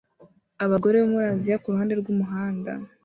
Abagore bo muri Aziya kuruhande rwumuhanda